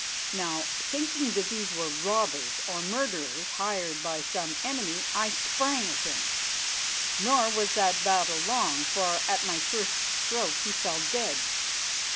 Now, thinking that these were robbers or murderers hired by some enemy, I sprang at him, nor was that battle long, for at my first stroke he fell dead.